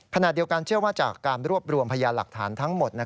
ขณะเดียวกันเชื่อว่าจากการรวบรวมพยานหลักฐานทั้งหมด